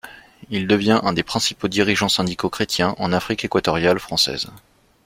Il devient un des principaux dirigeants syndicaux chrétiens en Afrique Équatoriale Française.